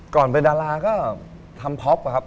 ก่อนเป็นดาราก็ทำพ็อปอะครับ